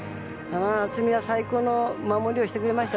渥美は最高の守りをしてくれました。